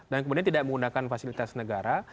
dan kemudian tidak menggunakan fasilitas negara